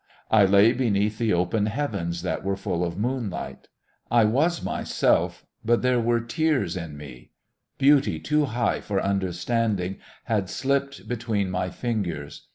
I lay beneath the open heavens that were full of moonlight. I was myself but there were tears in me. Beauty too high for understanding had slipped between my fingers.